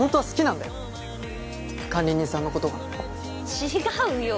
違うよ。